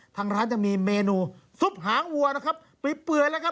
ทางร้านยังมีเมนูซุปหางวัวปิบเปลือยละครับ